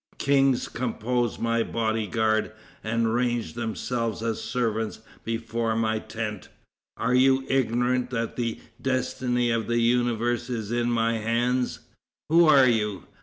Kings compose my body guard, and range themselves as servants before my tent. Are you ignorant that the destiny of the universe is in my hands? Who are you?